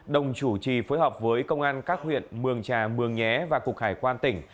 đồng chủ trì phối hợp với công an các huyện mường trà mường nhé và cục hải quan tỉnh